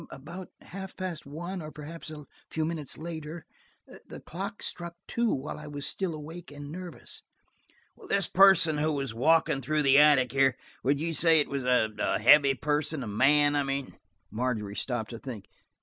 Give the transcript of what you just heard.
"About half past one or perhaps a few minutes later. The clock struck two while I was still awake and nervous." "This person who was walking through the attics here–would you say it was a heavy person? A man, I mean?" Margery stopped to think.